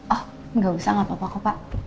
oh enggak usah gak apa apa kok pak